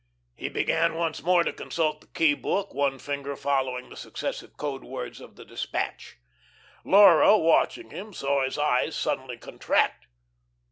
He began once more to consult the key book, one finger following the successive code words of the despatch. Laura, watching him, saw his eyes suddenly contract.